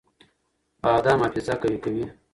بادام حافظه قوي کوي.